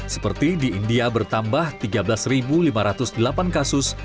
seperti di india bertambah tiga belas lima ratus delapan kasus